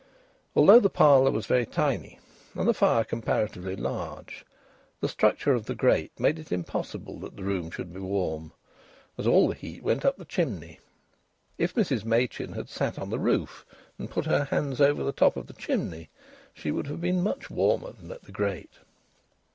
Although the parlour was very tiny and the fire comparatively large, the structure of the grate made it impossible that the room should be warm, as all the heat went up the chimney. If Mrs Machin had sat on the roof and put her hands over the top of the chimney, she would have been much warmer than at the grate.